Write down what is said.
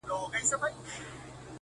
دا ارزښتمن شى په بټوه كي ساته!